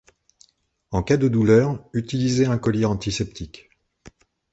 En cas de douleur, utiliser un collyre antiseptique.